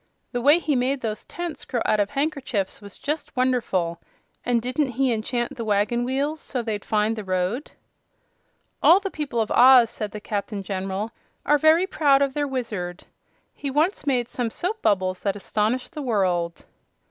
"The way he made those tents grow out of handkerchiefs was just wonderful! And didn't he enchant the wagon wheels so they'd find the road?" "All the people of Oz," said the Captain General, "are very proud of their Wizard. He once made some soap bubbles that astonished the world."